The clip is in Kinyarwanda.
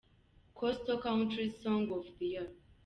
Coastal counties song of the year.